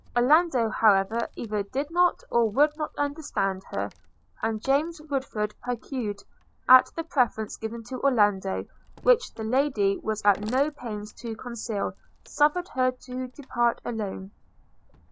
Orlando, however, either did not or would not understand her; and James Woodford, piqued at the preference given to Orlando, which the lady was at no pains to conceal, suffered her to depart alone.